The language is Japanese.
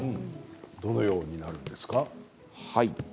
どのようになるんですか？